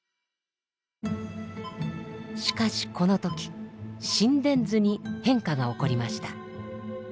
しかしこの時心電図に変化が起こりました。